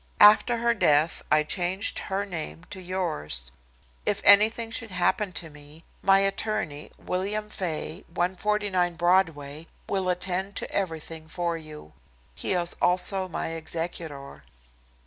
After her death I changed her name to yours. If anything should happen to me, my attorney, William Faye, 149 Broadway, will attend to everything for you. He is also my executor.